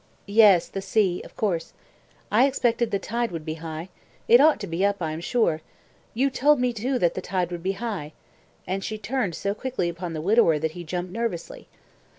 "Yes, the sea of course. I expected the tide would be high. It ought to be up, I am sure. You told me too that the tide would be high," and she turned so quickly upon the widower that he jumped nervously.